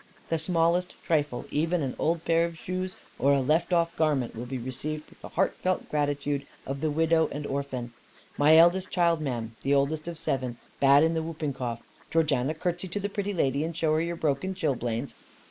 The smallest trifle, even an old pair of shoes or a left off garment will be received with the heartfelt gratitude of the widow and orphan. My eldest child, ma'am, the oldest of seven, bad in the whooping cough. Georgiana, curtsey to the pretty lady, and show her your broken chilblains."